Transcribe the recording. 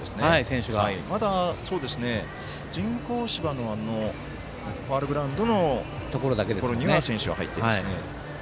まだ人工芝のファウルグラウンドのところには選手は入っていませんね。